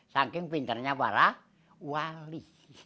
saking pinternya warah wali